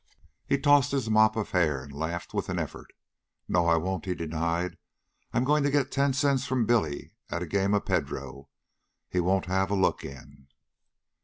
He tossed his mop of hair and laughed with an effort. "No I won't," he denied. "I'm going to get ten cents from Billy at a game of Pedro. He won't have a look in."